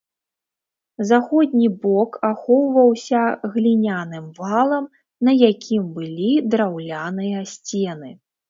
Заходні бок ахоўваўся гліняным валам, на якім былі драўляныя сцены.